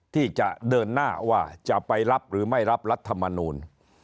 ที่จะเดินหน้าว่าจะไปรับหรือไม่รับรัฐมนูล